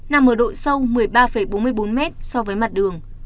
nằm ở độ sâu một mươi ba bốn mươi bốn mét so với mặt đường